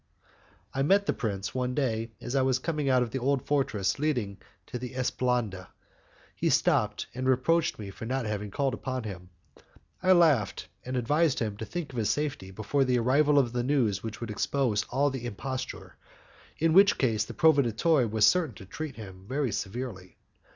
I met the prince one day as I was coming out of the old fortress leading to the esplanade. He stopped, and reproached me for not having called upon him. I laughed, and advised him to think of his safety before the arrival of the news which would expose all the imposture, in which case the proveditore was certain to treat him very severely.